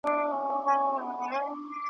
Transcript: زه به درځم د توتکیو له سېلونو سره .